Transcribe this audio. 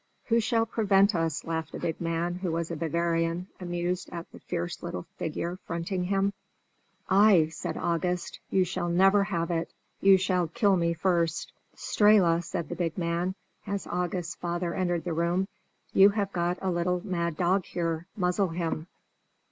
"Who shall prevent us?" laughed a big man, who was a Bavarian, amused at the fierce little figure fronting him. "I!" said August "You shall never have it! you shall kill me first!" "Strehla," said the big man, as August's father entered the room, "you have got a little mad dog here: muzzle him."